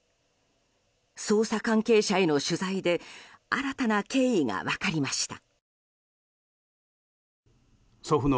捜査関係者への取材で新たな経緯が分かりました。